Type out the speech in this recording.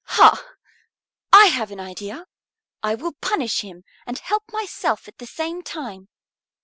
Ha! I have an idea. I will punish him and help myself at the same time.